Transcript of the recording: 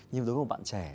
nhưng đối với một bạn trẻ